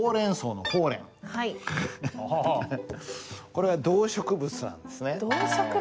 これは動植物なんですね。